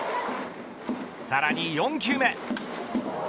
さらに４球目。